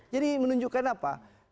jadi menunjukkan apa